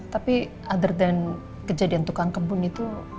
tapi other than kejadian tukang kebun itu